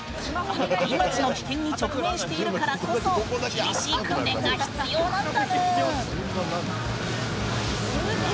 命の危険に直面しているからこそ厳しい訓練が必要なんだぬ。